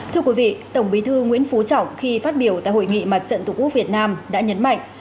thưa quý vị tổng bí thư nguyễn phú trọng khi phát biểu tại hội nghị mặt trận tổ quốc việt nam đã nhấn mạnh